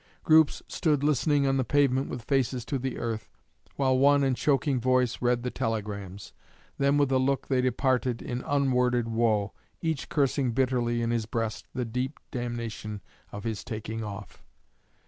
Groups stood listening on the pavement with faces to the earth, while one, in choking voice, read the telegrams; then with a look they departed in unworded woe, each cursing bitterly in his breast the 'deep damnation of his taking off.'